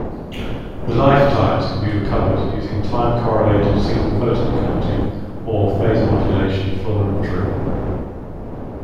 The lifetimes can be recovered using time-correlated single photon counting or phase-modulation fluorimetry.